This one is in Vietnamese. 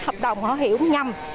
hợp đồng họ hiểu nhầm